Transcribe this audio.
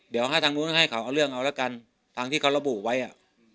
เดี๋ยวให้ทางนู้นให้เขาเอาเรื่องเอาละกันทางที่เขาระบุไว้อ่ะ